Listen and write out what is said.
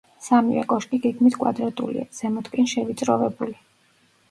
სამივე კოშკი გეგმით კვადრატულია, ზემოთკენ შევიწროვებული.